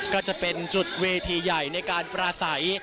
ก็จะเป็นจุดเวทีใหญ่ในการปราศัย